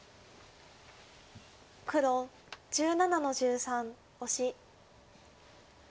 黒１７の十三オシ。